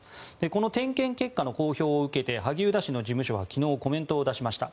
この点検結果公表を受けて萩生田氏の事務所は昨日、コメントを出しました。